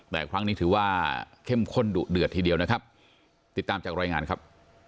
แต่ครั้งนี้ถือว่าเข้มข้นดุเดือดทีเดียวนะครับ